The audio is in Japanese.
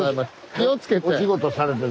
気をつけて。